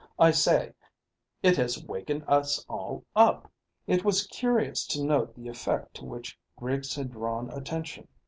I say, it has wakened us all up." It was curious to note the effect to which Griggs had drawn attention.